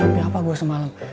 nyapnya apa gue semalam